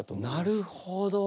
なるほど。